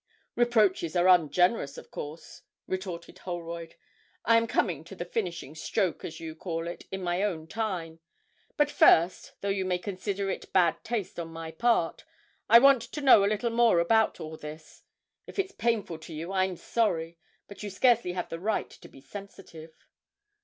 'Reproaches are ungenerous, of course,' retorted Holroyd; 'I am coming to the "finishing stroke," as you call it, in my own time; but first, though you may consider it bad taste on my part, I want to know a little more about all this. If it's painful to you, I'm sorry but you scarcely have the right to be sensitive.'